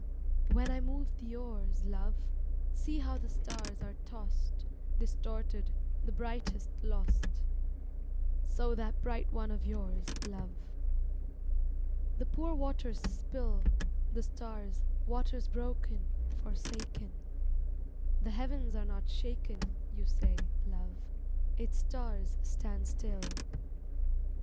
When I move the oars, love, See how the stars are tossed, Distorted, the brightest lost. So that bright one of yours, love. The poor waters spill The stars, waters broken, forsaken. The heavens are not shaken, you say, love, Its stars stand still.